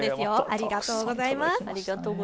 ありがとうございます。